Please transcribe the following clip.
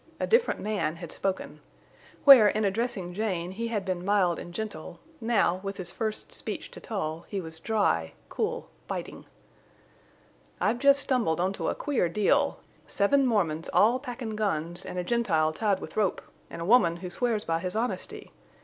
A different man had spoken. Where, in addressing Jane, he had been mild and gentle, now, with his first speech to Tull, he was dry, cool, biting. "I've lest stumbled onto a queer deal. Seven Mormons all packin' guns, an' a Gentile tied with a rope, an' a woman who swears by his honesty!